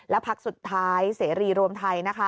และพักสุดท้ายเสรีรวมไทยนะคะ